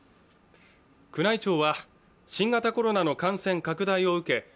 宮内庁は新型コロナの感染拡大を受け